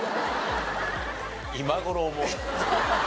今頃思う。